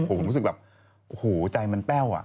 ผมรู้สึกแบบหูใจมันเป้าอะ